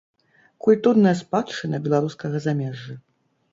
Культурная спадчына беларускага замежжа.